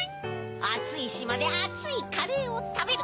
あついしまであついカレーをたべる！